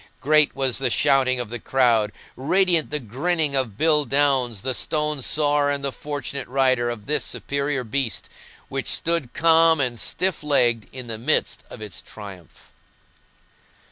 Great was the shouting of the crowd, radiant the grinning of Bill Downes the stone sawyer and the fortunate rider of this superior beast, which stood calm and stiff legged in the midst of its triumph.